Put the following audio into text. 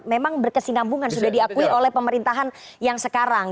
memang berkesinambungan sudah diakui oleh pemerintahan yang sekarang